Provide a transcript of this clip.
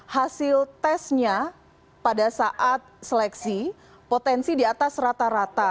hasil tesnya pada saat seleksi potensi di atas rata rata